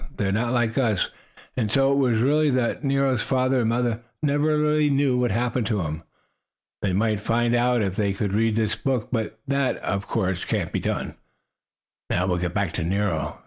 They are not like us. And so it was that Nero's father and mother never really knew what happened to him. They might find out if they could read this book, but that, of course, can't be done. Now we'll get back to Nero.